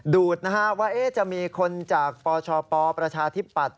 ดูดว่าจะมีคนจากปชปประชาธิปัตธิ์